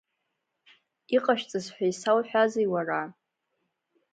Иҟашәҵаз ҳәа исауҳәази уара?